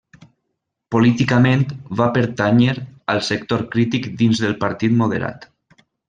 Políticament va pertànyer al sector crític dins del Partit Moderat.